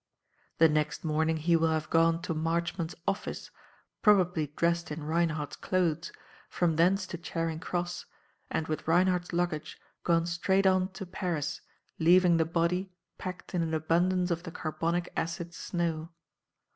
"The next morning he will have gone to Marchmont's office, probably dressed in Reinhardt's clothes, from thence to Charing Cross, and, with Reinhardt's luggage, gone straight on to Paris, leaving the body packed in an abundance of the carbonic acid snow.